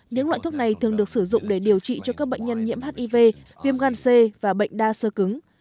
những loại thuốc này thường được sử dụng để điều trị cho các bệnh nhân nhiễm hiv viêm gan c và bệnh đa sơ cứng